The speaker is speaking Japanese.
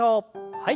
はい。